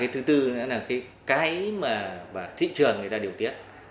thứ tư là thị trường người ta điều tiết